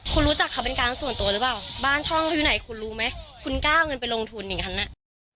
คุณรู้จักเขาเป็นการส่วนตัวหรือเปล่าบ้านช่องเขาอยู่ไหนคุณรู้ไหมคุณก้าวเงินไปลงทุนอย่างนั้นน่ะ